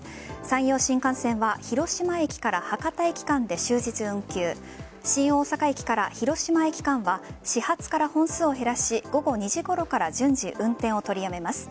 山陽新幹線は広島駅から博多駅間で終日運休新大阪駅から広島駅間は始発から本数を減らし午後２時ごろから順次運転を取りやめます。